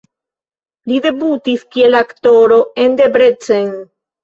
Li debutis kiel aktoro en Debrecen.